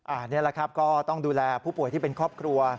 อันนี้แหละครับก็ต้องดูแลผู้ป่วยที่เป็นครอบครัว